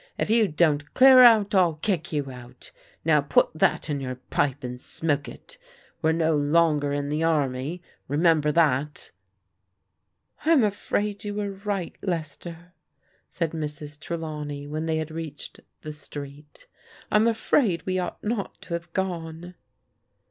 If you don't clear out, I'll kick you out, Now; put that in your pipe and smoke it. We're no longer in the army, remember that !"" I'm afraid you were right, Lester," said Mrs. Tre lawney when they had reached the street. " I'm afraid we ought not to have gone."